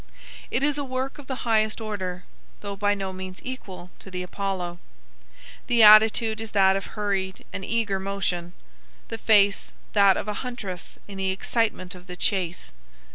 It is a work of the highest order, though by no means equal to the Apollo. The attitude is that of hurried and eager motion, the face that of a huntress in the excitement of the chase.